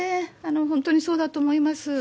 本当にそうだと思います。